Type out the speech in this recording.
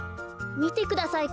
みてください